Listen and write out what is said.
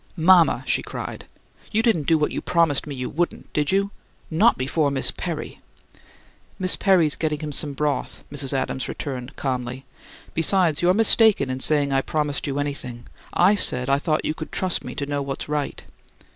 "Mama!" she cried. "You didn't do what you promised me you wouldn't, did you NOT before Miss Perry!" "Miss Perry's getting him some broth," Mrs. Adams returned, calmly. "Besides, you're mistaken in saying I promised you anything; I said I thought you could trust me to know what is right."